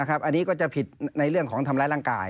อันนี้ก็จะผิดในเรื่องของทำร้ายร่างกาย